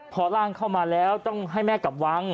พอร่างเข้ามาแล้วต้องให้แม่กลับวัง